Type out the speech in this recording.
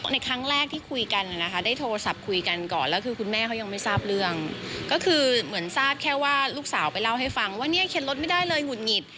ในครั้งแรกที่คุยกันนะคะได้โทรศัพท์คุยกันก่อนแล้วคือคุณแม่เขายังไม่ทราบเรื่องก็คือเหมือนทราบแค่ว่าลูกสาวไปเล่าให้ฟังว่าเนี่ยเข็นรถไม่ได้เลยหุดหงิด